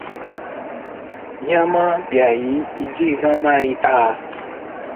Nyama biayi idi inua mayi aa.